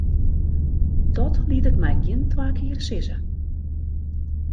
Dat liet ik my gjin twa kear sizze.